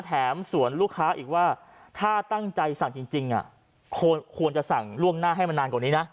แถมสวนลูกค้าอีกว่าถ้าตั้งใจสั่งจริงควรจะสั่งล่วงหน้าให้มันนานกว่านี้นะ